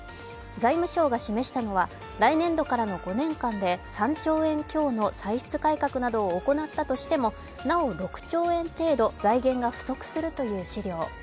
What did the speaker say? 財務省が示したのは来年度からの５年間で３兆円強の歳出改革などを行ったとしてもなお６兆円程度財源が不足するという資料。